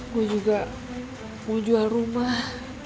gue juga mau jual rumah